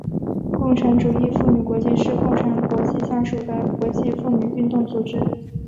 共产主义妇女国际是共产国际下属的国际妇女运动组织。